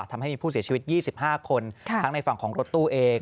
ทำให้มีผู้เสียชีวิต๒๕คนทั้งในฝั่งของรถตู้เอง